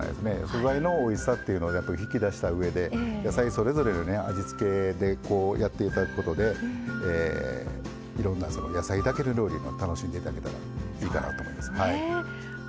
素材のおいしさっていうのを引き出したうえで野菜それぞれの味付けでやって頂くことでいろんな野菜だけの料理を楽しんで頂けたらいいかなと思います。